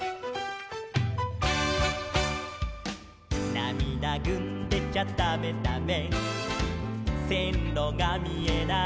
「なみだぐんでちゃだめだめ」「せんろがみえない」